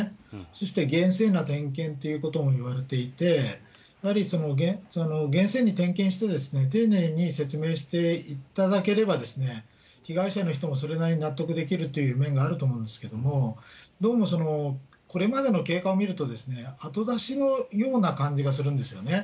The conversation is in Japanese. そして厳正な点検ということも言われていて、やはり厳正に点検して、丁寧に説明していただければ、被害者の人もそれなりに納得できるという面があると思うんですけども、どうも、これまでの経過を見ると、後出しのような感じがするんですよね。